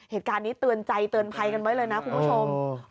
เหตุการณ์นี้เตือนใจเตือนภัยกันไว้เลยนะคุณผู้ชม